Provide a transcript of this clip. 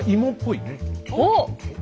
おっ！